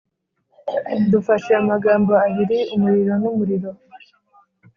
Dufashe amagambo abiri umuriro n’umuriro,